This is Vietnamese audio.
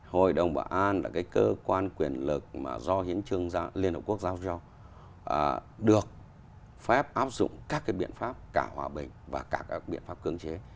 hội đồng bảo an là cái cơ quan quyền lực mà do hiến trương liên hợp quốc giao cho được phép áp dụng các cái biện pháp cả hòa bình và cả các biện pháp cường chế